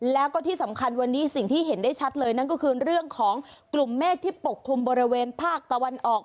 แล้วก็ที่สำคัญวันนี้สิ่งที่เห็นได้ชัดเลยนั่นก็คือเรื่องของกลุ่มเมฆที่ปกคลุมบริเวณภาคตะวันออก